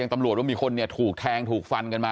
ตำรวจว่ามีคนเนี่ยถูกแทงถูกฟันกันมา